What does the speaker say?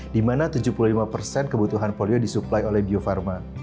di mana tujuh puluh lima persen kebutuhan polio disuplai oleh bio farma